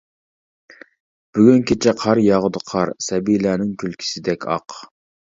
بۈگۈن كېچە قار ياغىدۇ قار، سەبىيلەرنىڭ كۈلكىسىدەك ئاق.